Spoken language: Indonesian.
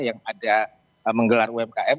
yang ada menggelar umkm